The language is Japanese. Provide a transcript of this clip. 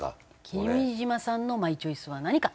君島さんのマイチョイスは何か？